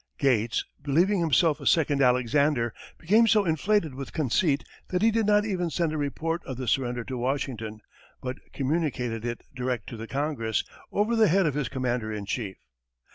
Gates, believing himself a second Alexander, became so inflated with conceit that he did not even send a report of the surrender to Washington, but communicated it direct to the Congress, over the head of his commander in chief.